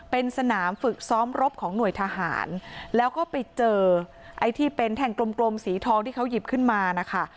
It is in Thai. เป็นสนามฝึกซ้อมรบของหน่วยทหารแล้วก็ไปเจอไอ้ที่เป็นแท่งกลมสีทองที่เขาหยิบขึ้นมานะคะ